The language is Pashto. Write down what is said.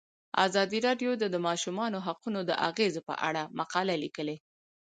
ازادي راډیو د د ماشومانو حقونه د اغیزو په اړه مقالو لیکلي.